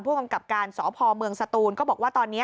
กำกับการสพเมืองสตูนก็บอกว่าตอนนี้